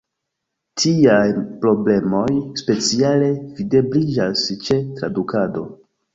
Tiaj problemoj speciale videbliĝas ĉe tradukado.